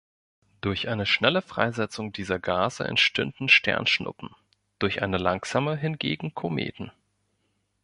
Durch eine schnelle Freisetzung dieser Gase entstünden "Sternschnuppen", durch eine langsame hingegen "Kometen".